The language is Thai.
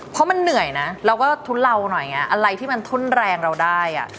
เพราะมันเหนื่อยนะเราก็ทุเลาหน่อยไงอะไรที่มันทุ่นแรงเราได้อ่ะ